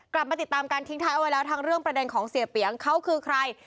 กลับมาติดตามการทิ้งท้ายเอาไว้แล้วทั้งเรื่องประเด็นของเสียเปียงเขาคือใคร